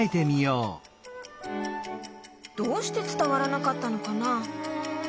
どうしてつたわらなかったのかな？